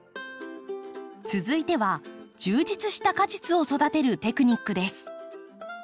続いては充実した果実を育てるテクニックです。